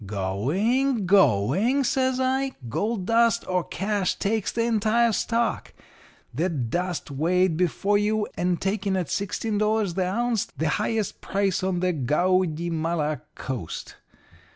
"'Going! Going!' says I. 'Gold dust or cash takes the entire stock. The dust weighed before you, and taken at sixteen dollars the ounce the highest price on the Gaudymala coast.'